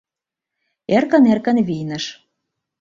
Эркын-эркын вийныш.